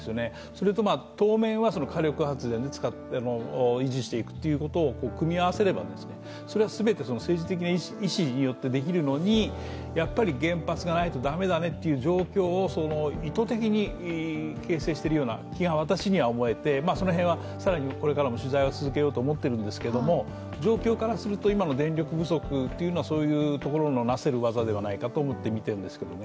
それと当面は火力発電で維持していくことを組み合わせれば、それはすべて政治的意思でできるのに、やっぱり原発がないと駄目だねというのを意図的に形成しているように思えてその辺は更にこれからも取材を続けようと思っているんですけれども、状況からすると、今の電力不足はそういうところの成せるわざではないかと思って見てますけど。